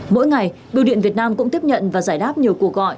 mỗi ngày bưu điện việt nam cũng tiếp nhận và giải đáp nhiều cuộc gọi